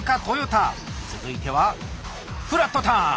続いてはフラットターン。